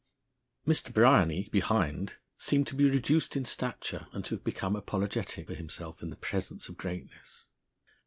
Mr. Bryany, behind, seemed to be reduced in stature, and to have become apologetic for himself in the presence of greatness.